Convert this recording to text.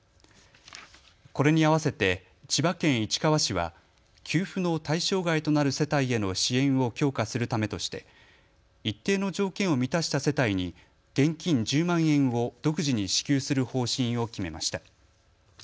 これに合わせて千葉県市川市は給付の対象外となる世帯への支援を強化するためとして一定の条件を満たした世帯に現金１０万円を独自に支給する方針を決めました。